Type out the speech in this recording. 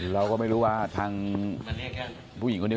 เราก็ไม่รู้ว่าทางผู้หญิงคนนี้